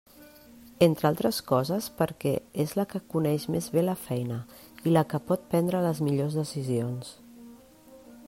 Entre altres coses perquè és la que coneix més bé la feina i la que pot prendre les millors decisions.